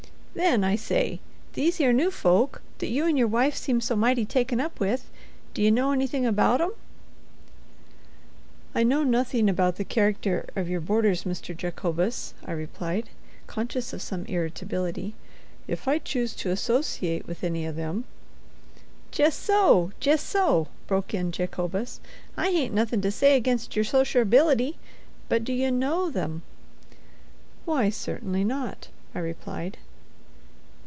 "Then—I say—these here new folk that you 'n' your wife seem so mighty taken up with—d'ye know anything about 'em?" "I know nothing about the character of your boarders, Mr. Jacobus," I replied, conscious of some irritability. "If I choose to associate with any of them——" "Jess so—jess so!" broke in Jacobus. "I hain't nothin' to say ag'inst yer sosherbil'ty. But do ye know them?" "Why, certainly not," I replied.